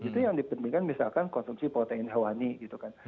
itu yang dipentingkan misalkan konsumsi protein hewani gitu kan